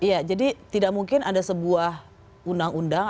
iya jadi tidak mungkin ada sebuah undang undang